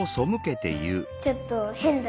ちょっとへんだ。